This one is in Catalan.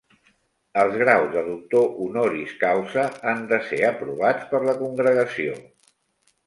Els graus de doctor honoris causa han de ser aprovats per la Congregació.